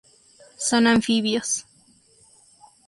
Son anfibios.